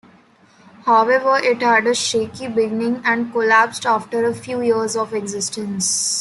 However, it had a shaky beginning and collapsed after a few years of existence.